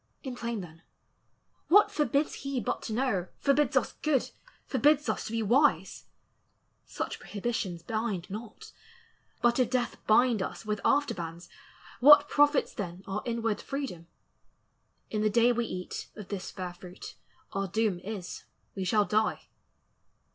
In plain then, what forbids he but to know, Forbids us good, forbids us to be wise? Such prohibitions bind not. But if death Bind us with after bands, what profits then Our inward freedom? In the day we eat Of this fair fruit, our doom is, we shall die.